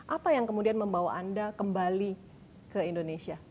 apa yang kemudian membawa anda kembali ke indonesia